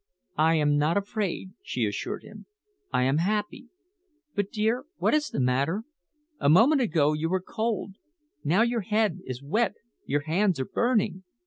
"I am not afraid," she assured him. "I am happy. But, dear, what is the matter? A moment ago you were cold. Now your head is wet, your hands are burning.